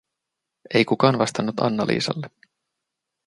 Ei kukaan vastannut Anna Liisalle.